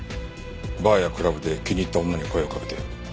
バーやクラブで気に入った女に声をかけて。